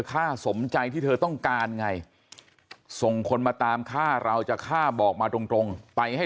สมใจที่เธอต้องการไงส่งคนมาตามฆ่าเราจะฆ่าบอกมาตรงไปให้